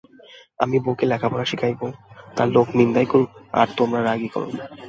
আমি বউকে লেখাপড়া শিখাইব, তা লোকে নিন্দাই করুক আর তোমরা রাগই কর।